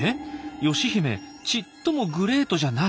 義姫ちっともグレートじゃない。